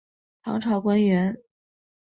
唐朝官员。